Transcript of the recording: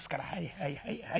はいはいはいはい。